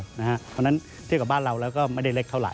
เพราะฉะนั้นเทียบกับบ้านเราแล้วก็ไม่ได้เล็กเท่าไห